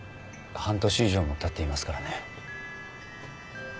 半年以上も経っていますからね。